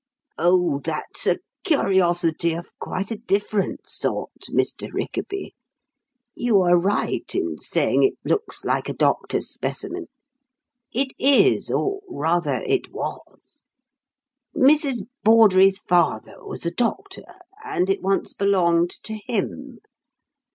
"Oh, that's a curiosity of quite a different sort, Mr. Rickaby. You are right in saying it looks like a doctor's specimen. It is or, rather, it was. Mrs. Bawdrey's father was a doctor, and it once belonged to him.